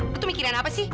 lu tuh mikirin apa sih